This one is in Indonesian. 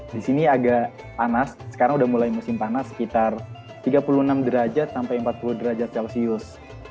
di sini agak panas sekarang udah mulai musim panas sekitar tiga puluh enam derajat sampai empat puluh derajat celcius